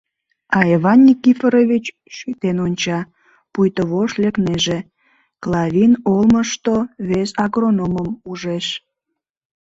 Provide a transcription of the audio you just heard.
А Иван Никифорович шӱтен онча, пуйто вошт лекнеже, Клавин олмышто вес агрономым ужеш.